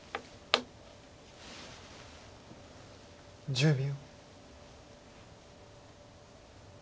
１０秒。